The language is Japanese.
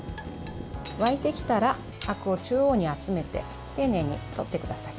沸いてきたらあくを中央に集めて丁寧にとってください。